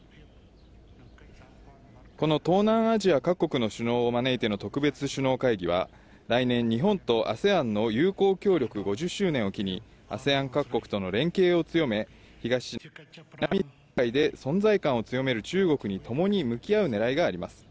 この東南アジア各国の首脳を招いての特別首脳会議は、来年、日本とＡＳＥＡＮの友好協力５０周年を機に、ＡＳＥＡＮ各国との連携を強め、存在感を強める中国にともに向き合うねらいがあります。